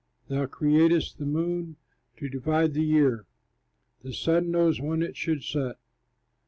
Thou createst the moon to divide the year, The sun knows when it should set.